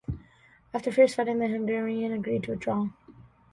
After fierce fighting the Hungarians agreed to withdraw.